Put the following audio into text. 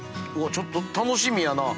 ちょっと楽しみやなぁ。